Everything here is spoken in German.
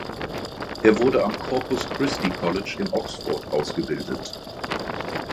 Er wurde am Corpus Christi College in Oxford ausgebildet.